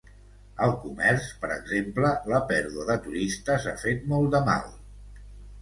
Al comerç, per exemple, la pèrdua de turistes ha fet molt de mal.